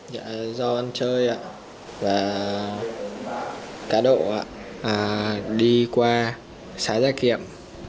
đã do ăn chơi và cá độ đi qua xã gia kiệm